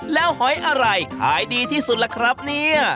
แล้วหอยอะไรขายดีที่สุดล่ะครับเนี่ย